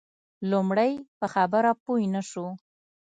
لومړی په خبره پوی نه شو.